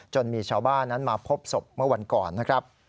มีชาวบ้านนั้นมาพบศพเมื่อวันก่อนนะครับ